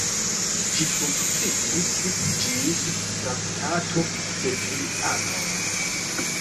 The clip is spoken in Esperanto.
Ĝi funkciis ĝis Traktato de Trianon.